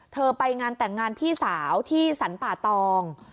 ไปงานแต่งงานพี่สาวที่สรรป่าตอง